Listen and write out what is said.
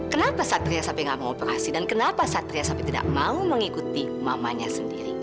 kenapa satria sampai nggak mau operasi dan kenapa satria sampai tidak mau mengikuti mamanya sendiri